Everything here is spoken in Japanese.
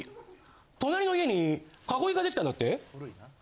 隣の家に囲いができたんだって？